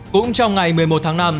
cũng trong ngày một mươi một tháng năm